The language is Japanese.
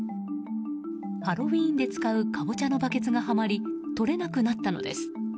ハロウィーンで使うカボチャのバケツがはまり取れなくなったのです。